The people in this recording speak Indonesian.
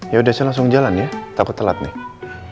yaudah saya langsung jalan ya takut telat nih